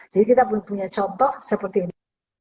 jadi kita pun punya contoh seperti ini